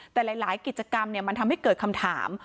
แต่หลายกิจกรรมมันทำให้เกิดคำถาม